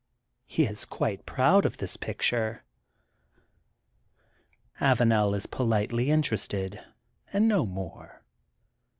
'' He is quite proud of his picture. Avanel is politely interested and no more.